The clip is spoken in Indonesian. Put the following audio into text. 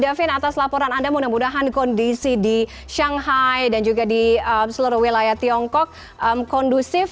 davin atas laporan anda mudah mudahan kondisi di shanghai dan juga di seluruh wilayah tiongkok kondusif